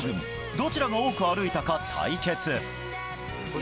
どちらが多く歩いたか対決。